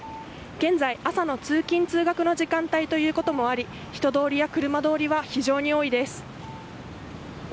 現在、朝の通勤・通学の時間帯ということもあり人通りや、車通りは非常に多いです。